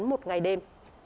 một ngày đêm